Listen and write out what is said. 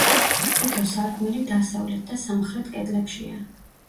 თითო სარკმელი დასავლეთ და სამხრეთ კედლებშია.